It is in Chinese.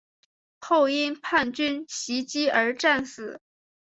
后因叛军袭击而战死。